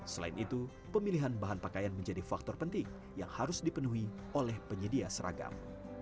selain itu pemilihan bahan pakaian menjadi faktor penting yang harus dipenuhi oleh penyedia seragam